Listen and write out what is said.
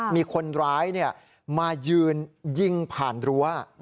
มีคนร้ายมายืนยิงผ่านรั้ว